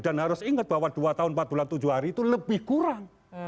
dan harus ingat bahwa dua tahun empat bulan tujuh hari itu lebih kurang